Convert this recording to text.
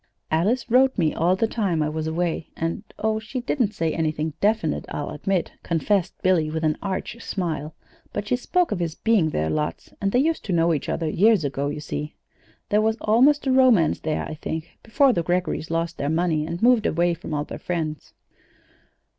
Alice wrote me all the time I was away, and oh, she didn't say anything definite, I'll admit," confessed Billy, with an arch smile; "but she spoke of his being there lots, and they used to know each other years ago, you see. There was almost a romance there, I think, before the Greggorys lost their money and moved away from all their friends."